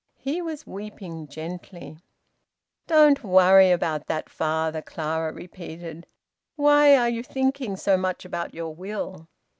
He was weeping gently. "Don't worry about that, father," Clara repeated. "Why are you thinking so much about your will?"